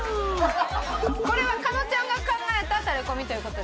これは加納ちゃんが考えたタレコミという事で。